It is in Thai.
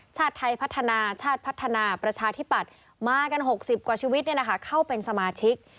ชาติไทยพัฒนาชาติพัฒนาประชาธิปัตย์มากัน๖๐กว่าชีวิตเข้าเป็นสมาชิก